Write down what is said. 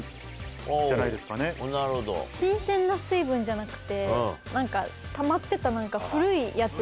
新鮮な水分じゃなくてたまってた。